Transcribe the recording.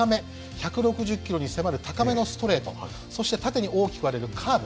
１６０キロに迫る高めのストレートそして縦に大きく割れるカーブ。